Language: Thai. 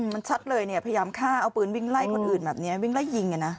มันชัดเลยเนี่ยพยายามฆ่าเอาปืนวิ่งไล่คนอื่นแบบนี้วิ่งไล่ยิง